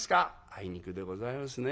「あいにくでございますね。